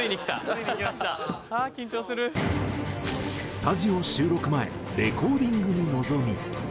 スタジオ収録前レコーディングに臨み。